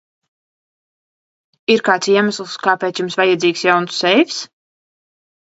Ir kāds iemesls, kāpēc jums vajadzīgs jauns seifs?